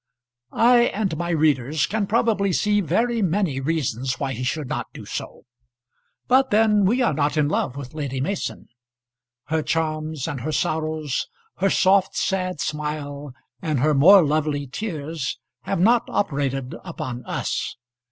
I and my readers can probably see very many reasons why he should not do so; but then we are not in love with Lady Mason. Her charms and her sorrows, her soft, sad smile and her more lovely tears have not operated upon us.